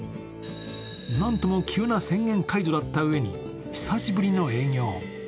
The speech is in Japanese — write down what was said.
なんとも急な宣言解除だったうえに、久しぶりの営業。